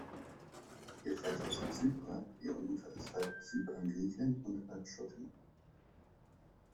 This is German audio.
Ihr Vater ist Zyprer, ihre Mutter ist Halb-Zypern-Griechin und Halb-Schottin.